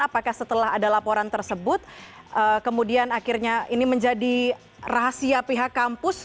apakah setelah ada laporan tersebut kemudian akhirnya ini menjadi rahasia pihak kampus